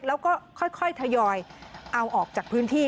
แล้วก็ค่อยทยอยเอาออกจากพื้นที่